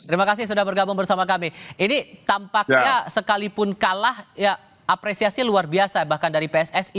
terima kasih sudah bergabung bersama kami ini tampaknya sekalipun kalah ya apresiasi luar biasa bahkan dari pssi